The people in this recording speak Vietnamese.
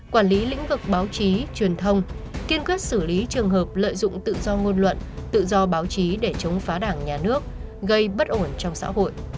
quản lý lĩnh vực báo chí truyền thông kiên quyết xử lý trường hợp lợi dụng tự do ngôn luận tự do báo chí để chống phá đảng nhà nước gây bất ổn trong xã hội